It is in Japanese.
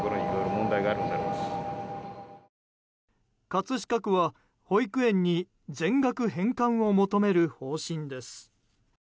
葛飾区は、保育園に全額返還を求める方針です。